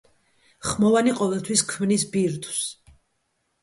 ხმოვანი ყოველთვის ქმნის ბირთვს.